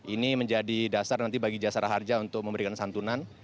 ini menjadi dasar nanti bagi jasara harja untuk memberikan santunan